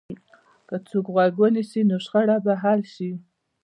که څوک غوږ ونیسي، نو شخړه به حل شي.